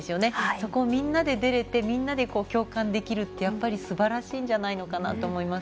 そこをみんなで出れてみんなで共感できるってやっぱりすばらしいんじゃないかなと思います。